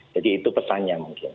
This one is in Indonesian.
jadi itu pesannya mungkin